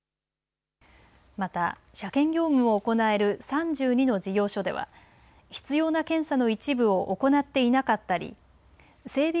また車検業務を行える３２の事業所では必要な検査の一部を行っていなかったり整備